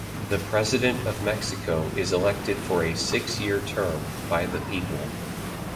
The President of Mexico is elected for a six-year term by the people.